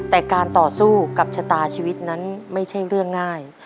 แต่การต่อสู้กับชะตาชีวิตนั้นไม่ใช่เรื่องง่าย